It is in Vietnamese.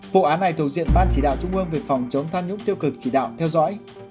vụ án này thuộc diện ban chỉ đạo trung ương về phòng chống tham nhũng tiêu cực chỉ đạo theo dõi